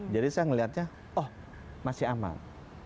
jadi saya melihatnya oh masih aman